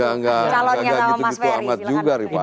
kalau gak gitu gitu amat juga rifana